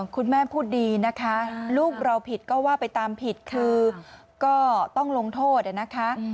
คุณแม่พูดดีนะคะลูกเราผิดก็ว่าไปตามผิดคือก็ต้องลงโทษนะคะ